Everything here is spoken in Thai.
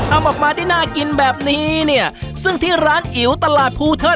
ออกมาได้น่ากินแบบนี้เนี่ยซึ่งที่ร้านอิ๋วตลาดภูเทิด